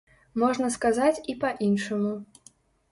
Можна сказаць і па-іншаму.